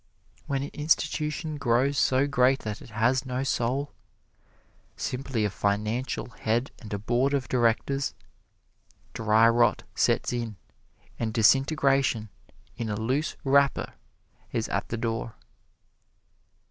When an institution grows so great that it has no soul simply a financial head and a board of directors dry rot sets in and disintegration in a loose wrapper is at the door.